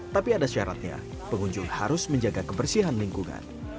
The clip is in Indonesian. tapi ada syaratnya pengunjung harus menjaga kebersihan lingkungan